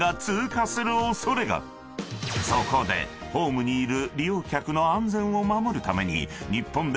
［そこでホームにいる］